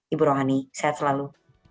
ibu rohani sehat selalu